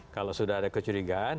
kalau sudah ada kecurigaan